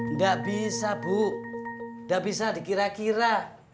nggak bisa bu nggak bisa dikira kira